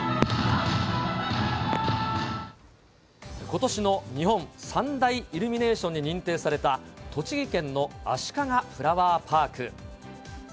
ことしの日本三大イルミネーションに認定された、栃木県のあしかがフラワーパーク。